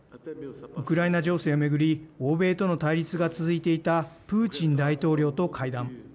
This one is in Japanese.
ウクライナ情勢をめぐり欧米との対立が続いていたプーチン大統領と会談。